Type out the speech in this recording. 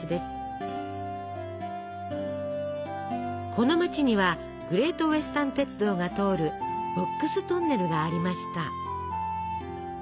この町には「グレート・ウェスタン鉄道」が通る「ボックス・トンネル」がありました。